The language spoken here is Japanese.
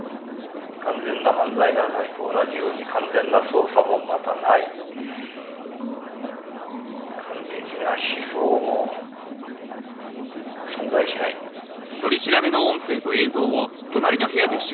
「完全な犯罪がないと同じように完全な捜査もまたない」「完璧な思想も存在しない」「欠陥があるんだよ